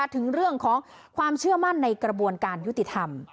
ถึงเรื่องของความเชื่อมั่นในกระบวนการยุติธรรม